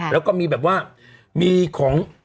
แล้วก็มีแบบว่ามีของ